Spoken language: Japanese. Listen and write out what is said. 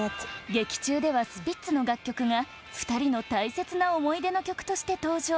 劇中ではスピッツの楽曲が２人の大切な思い出の曲として登場！